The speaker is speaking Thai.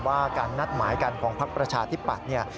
ว่าการนัดหมายการกองพักประชาธิปัตย์